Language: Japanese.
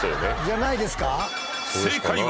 じゃないですか？